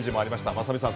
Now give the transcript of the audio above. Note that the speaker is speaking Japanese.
雅美さん